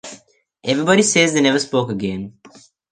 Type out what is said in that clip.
Everybody says they never spoke again.